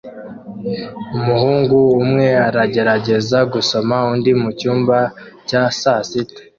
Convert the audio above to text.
Umuhungu umwe aragerageza gusoma undi mucyumba cya sasita